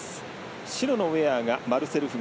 白のウェアがマルセル・フグ